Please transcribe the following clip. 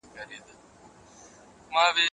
ایا احساسات نه ځپل کېږي؟